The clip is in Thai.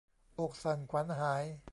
อกสั่นขวัญหาย